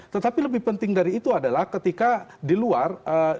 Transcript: tetapi lebih penting dari itu adalah ketika di luar